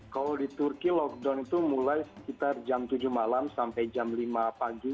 kalau di turki lockdown itu mulai sekitar jam tujuh malam sampai jam lima pagi